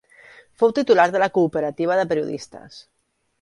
Fou titular de la Cooperativa de Periodistes.